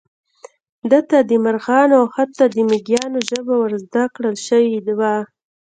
ده ته د مارغانو او حتی د مېږیانو ژبه ور زده کړل شوې وه.